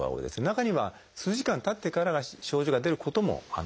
中には数時間たってから症状が出ることもあります。